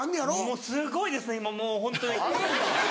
もうすごいです今もうホントにはい。